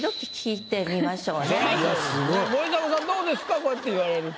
こうやって言われると。